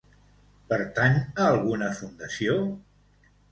Pertany a alguna fundació?